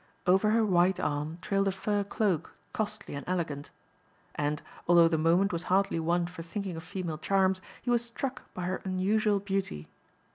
Over her white arm trailed a fur cloak costly and elegant. And, although the moment was hardly one for thinking of female charms, he was struck by her unusual beauty.